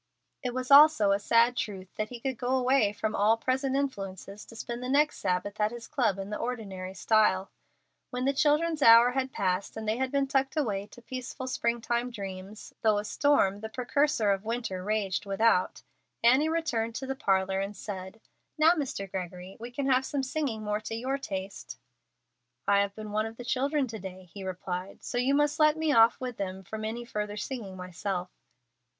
It was also a sad truth that he could go away from all present influences to spend the next Sabbath at his club in the ordinary style. When the children's hour had passed and they had been tucked away to peaceful spring time dreams, though a storm, the precursor of winter, raged without, Annie returned to the parlor and said, "Now, Mr. Gregory, we can have some singing more to your taste." "I have been one of the children to day," he replied, "so you must let me off with them from any further singing myself."